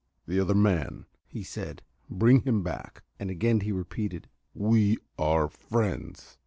"The other man," he said, "bring him back." And again he repeated: "We are friends."